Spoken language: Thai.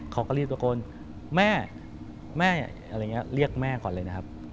เขาก็รีบตัวคนเรียกแม่ก่อนเลยนะครับ